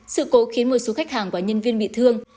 sự cố khiến một số khách hàng và nhân viên bị thương